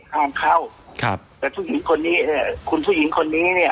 ห้ามเข้าครับแต่ผู้หญิงคนนี้เอ่อคุณผู้หญิงคนนี้เนี่ย